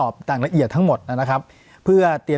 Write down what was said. ปากกับภาคภูมิ